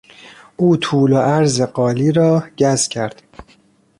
او طول و عرض قالی را گز کرد.